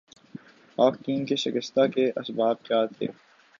پاک ٹیم کے شکستہ کے اسباب کیا تھے